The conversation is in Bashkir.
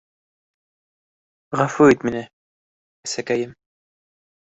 — Ғәфү ит мине, әсәкәйем.